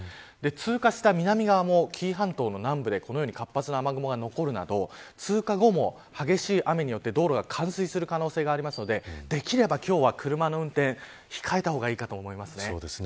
通過した南側も紀伊半島の南部でこのような活発な雨雲が残るなど通過後も激しい雨によって道路が冠水する可能性があるのでできれば今日は車の運転は控えた方がいいかと思います。